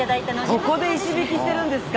ここで石びきしてるんですか？